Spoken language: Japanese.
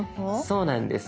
そうなんです。